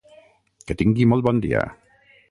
Que tingui molt bon dia.